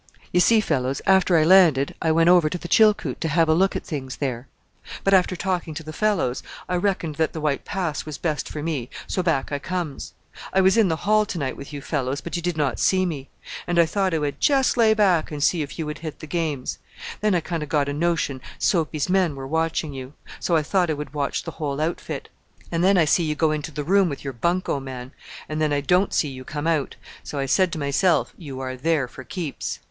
"You see, fellows, after I landed I went over to the Chilkoot to have a look at things there; but after talking to the fellows I reckoned that the White Pass was best for me, so back I comes. I was in the hall to night with you fellows, but you did not see me; and I thought I would just lay back and see if you would hit the games. Then I kind of got a notion Soapy's men were watching you; so I thought I would watch the whole outfit. I see you go back to the crap game, and then I see you go into the room with your bunco man and then I don't see you come out; so I said to myself, you are there for keeps!